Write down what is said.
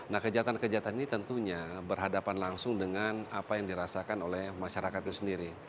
nah kejahatan kejahatan ini tentunya berhadapan langsung dengan apa yang dirasakan oleh masyarakat itu sendiri